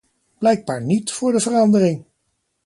Blijkbaar niet, voor de verandering!